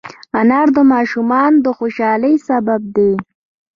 انار د ماشومانو د خوشحالۍ سبب دی.